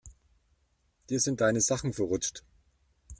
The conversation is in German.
Dir sind deine Sachen verrutscht.